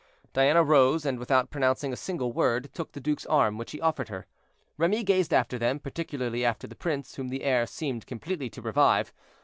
Diana rose, and without pronouncing a single word, took the duke's arm, which he offered her. Remy gazed after them, particularly after the prince, whom the air seemed completely to revive.